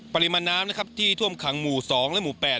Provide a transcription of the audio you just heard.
ปริมาณน้ำนะครับที่ท่วมขังหมู่๒และหมู่๘